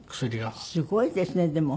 すごいですねでも。